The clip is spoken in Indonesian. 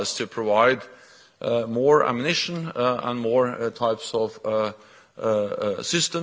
untuk memberikan lebih banyak amunisi dan lebih banyak sistem